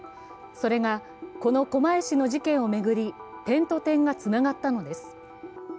それがこの狛江市の事件を巡り点と点がつながったのです。